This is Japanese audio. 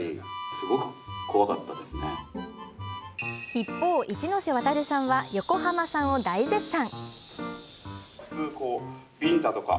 一方、一ノ瀬ワタルさんは横浜さんを大絶賛。